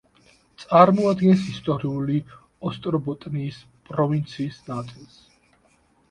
წარმოადგენს ისტორიული ოსტრობოტნიის პროვინციის ნაწილს.